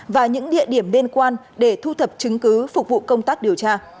và những địa điểm liên quan để thu thập chứng cứ phục vụ công tác điều tra